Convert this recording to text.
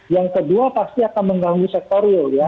yang kedua pasti akan mengganggu sektor real ya